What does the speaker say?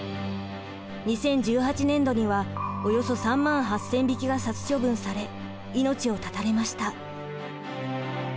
２０１８年度にはおよそ３万８，０００匹が殺処分され命を絶たれました。